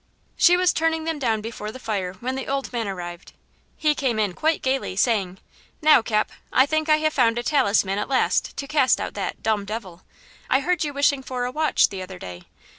She was turning them down before the fire when the old man arrived. He came in quite gayly, saying: "Now, Cap, I think I have found a talisman at last to cast out that 'dumb devil,' I heard you wishing for a watch the other day.